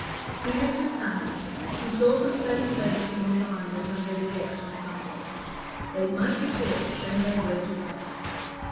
Felix was sanguine; he saw some pleasant faces among the miners when they were washed on Sundays; they might be taught to spend their wages better.